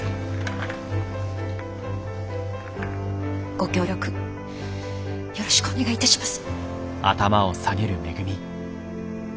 ご協力よろしくお願いいたします。